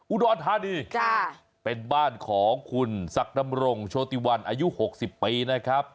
อุดรธานีเป็นบ้านของคุณศักดำรงโชติวันอายุ๖๐ปีนะครับ